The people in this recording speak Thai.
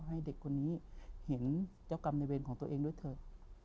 ให้เด็กคนนี้เห็นเจ้ากรรมในเวรของตัวเองด้วยเถอะ